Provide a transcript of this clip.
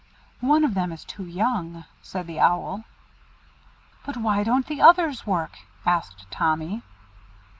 "One of them is too young," said the Owl. "But why don't the others work?" asked Tommy.